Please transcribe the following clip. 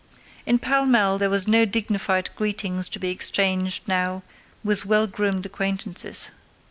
In Pall Mall there were no dignified greetings to be exchanged now with well groomed acquaintances.